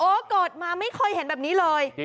เกิดมาไม่เคยเห็นแบบนี้เลย